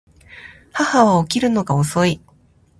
母は起きるのが遅い